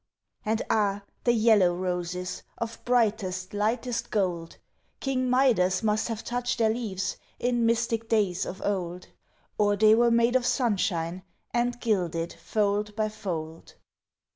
And ah! the yellow roses, of brightest, lightest gold, King Midas must have touched their leaves in mystic days of old, Or they were made of sunshine, and gilded, fold by fold.